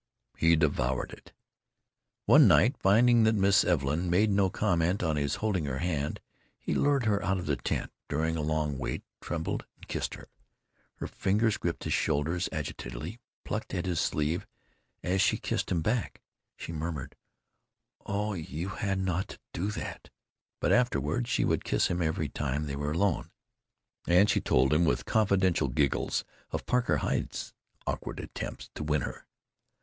He devoured it. One night, finding that Miss Evelyn made no comment on his holding her hand, he lured her out of the tent during a long wait, trembled, and kissed her. Her fingers gripped his shoulders agitatedly, plucked at his sleeve as she kissed him back. She murmured, "Oh, you hadn't ought to do that." But afterward she would kiss him every time they were alone, and she told him with confidential giggles of Parker Heye's awkward attempts to win her.